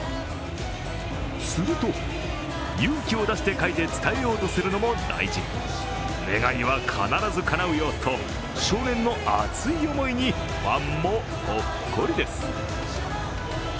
すると、勇気を出して書いて伝えようとするのも大事、願いは必ずかなうよと、少年の熱い思いにファンもほっこりです。